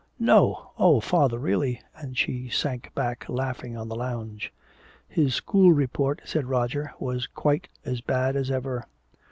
"No! Oh, father! Really!" And she sank back laughing on the lounge. "His school report," said Roger, "was quite as bad as ever."